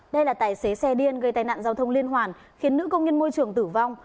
đây là tài xế xe điên gây tai nạn giao thông liên hoàn khiến nữ công nhân môi trường tử vong